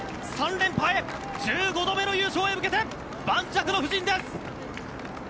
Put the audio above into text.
３連覇へ、１５度目の優勝へ向けて盤石の布陣です。